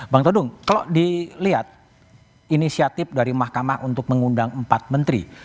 bang todung kalau dilihat inisiatif dari mahkamah untuk mengundang empat menteri